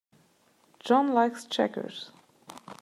John likes checkers.